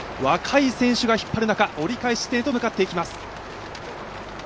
若い選手が引っ張る中、折り返し地点へと迎えっていきます。